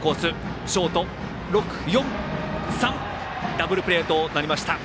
ダブルプレーとなりました。